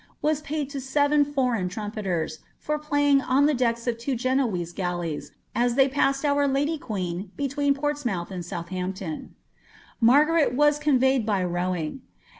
was {mid lo seven foreign trumpeters, '* for playing on the decks of two Genoese galleys, as they jxissed our lady <piefn between Portsmouth and Southumpto'i.^' Margaret was conveyed by rowing.